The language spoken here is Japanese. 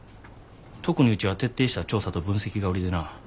特にうちは徹底した調査と分析が売りでな。